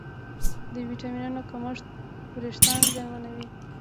د ویټامینونو کمښت وېښتيان زیانمنوي.